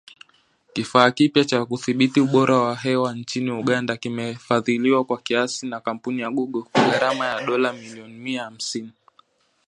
Kifaa kipya cha kudhibiti ubora wa hewa nchini Uganda kimefadhiliwa kwa kiasi na kampuni ya Google, kwa gharama ya dola milioni mia hamsini.